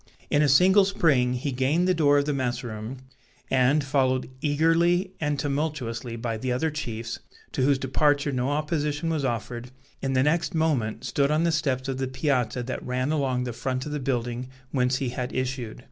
In a single spring he gained the door of the mess room, and, followed eagerly and tumultuously by the other chiefs, to whose departure no opposition was offered, in the next moment stood on the steps of the piazza that ran along the front of the building whence he had issued.